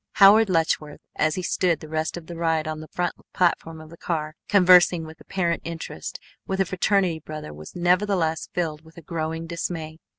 Howard Letchworth, as he stood the rest of the ride on the front platform of the car conversing with apparent interest with a fraternity brother, was nevertheless filled with a growing dismay.